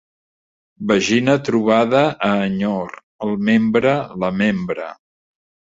Vagina trobada a enyor: el membre la membra.